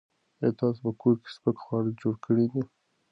ایا تاسو په کور کې سپک خواړه جوړ کړي دي؟